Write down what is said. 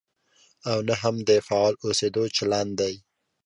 او نه هم د فعال اوسېدو چلند دی.